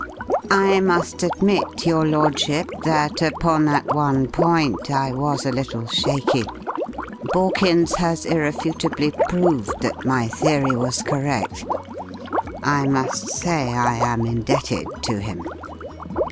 "I must admit, your Lordship, that upon that one point I was a little shaky. Borkins has irrefutably proved that my theory was correct. I must say I am indebted to him."